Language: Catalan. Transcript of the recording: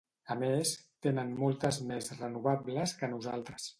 A més, tenen moltes més renovables que nosaltres.